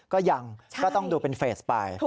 ก็ยังก็ต้องดูเป็นเฟสไป